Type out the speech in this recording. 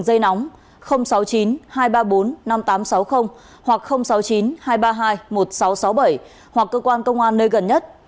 dây nóng sáu mươi chín hai trăm ba mươi bốn năm nghìn tám trăm sáu mươi hoặc sáu mươi chín hai trăm ba mươi hai một nghìn sáu trăm sáu mươi bảy hoặc cơ quan công an nơi gần nhất